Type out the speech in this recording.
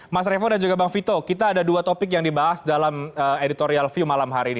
mas revo dan juga bang vito kita ada dua topik yang dibahas dalam editorial view malam hari ini